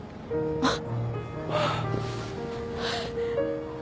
あっ。